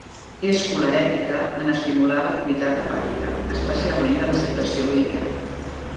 És colerètica en estimular l'activitat hepàtica, especialment de la secreció biliar.